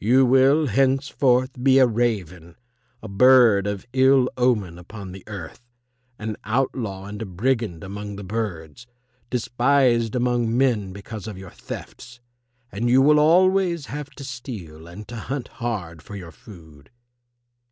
You will henceforth be a raven, a bird of ill omen upon the earth, an outlaw and a brigand among the birds, despised among men because of your thefts. And you will always have to steal and to hunt hard for your food."